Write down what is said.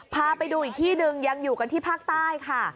พาไปดูอีกที่หนึ่งยังอยู่กันที่ภาคใต้ค่ะ